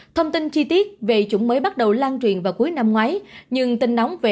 thông tin chi tiết về chủng mới bắt đầu lan truyền vào cuối năm ngoái